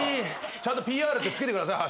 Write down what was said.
ちゃんとＰＲってつけてください。＃。